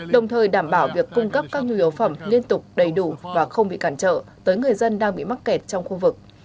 đồng thời đảm bảo việc cung cấp các nhu yếu phẩm liên tục đầy đủ và không bị cản trợ tới người dân đang bị mắc kẹt trong khu vực